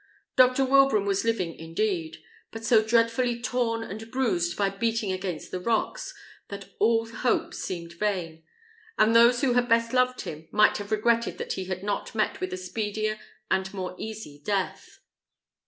Dr. Wilbraham was living indeed, but so dreadfully torn and bruised by beating against the rocks, that all hope seemed vain, and those who had best loved him might have regretted that he had not met with a speedier and more easy death.